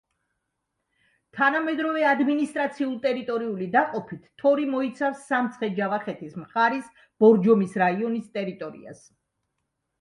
თანამედროვე ადმინისტრაციულ-ტერიტორიული დაყოფით თორი მოიცავს სამცხე-ჯავახეთის მხარის ბორჯომის რაიონის ტერიტორიას.